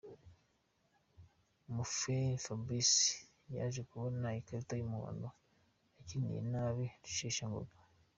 Mugheni Fabrice yaje kubona ikarita y’umuhondo, akiniye nabi Rusheshangoga.